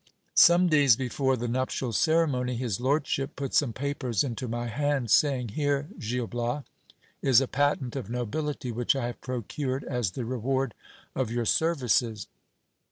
Some days before the nuptial ceremony, his lordship put some papers into my hand, saying : Here, Gil Bias, is a patent of nobility which I have procured as the reward of your services.